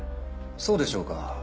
そうでしょうか？